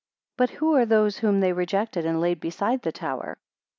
58 But who are those whom they rejected, and laid beside the tower?